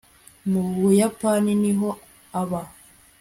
mu buyapani niho aba